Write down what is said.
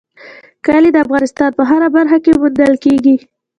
کلي د افغانستان په هره برخه کې موندل کېږي.